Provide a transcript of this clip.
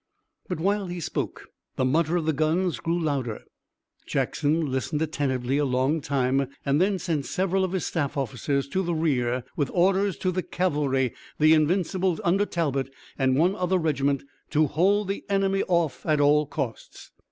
But while he spoke the mutter of the guns grew louder. Jackson listened attentively a long time, and then sent several of his staff officers to the rear with orders to the cavalry, the Invincibles under Talbot, and one other regiment to hold the enemy off at all costs.